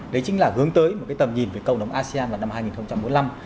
đấy chính là hướng tới một cái tầm nhìn về cộng đồng asean vào năm hai nghìn bốn mươi năm